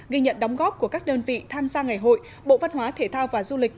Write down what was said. ghi nhận đóng góp của các đơn vị tham gia ngày hội bộ văn hóa thể thao và du lịch